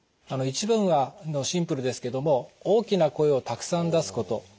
一番はシンプルですけども大きな声をたくさん出すこと。